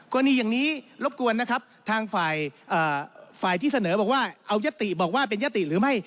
กรณีอย่างนี้รบกวนนะครับทางฝ่ายที่เสนอบอกว่าเอายติบอกว่าเป็นยติหรือไม่